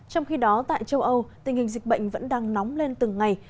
trong khi đó tại châu âu tình hình dịch bệnh vẫn đang nóng lên từng ngày